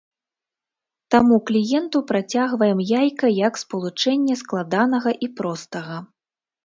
Таму кліенту працягваем яйка як спалучэнне складанага і простага.